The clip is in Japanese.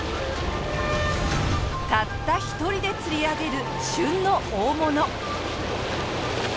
たった一人で釣り上げる旬の大物。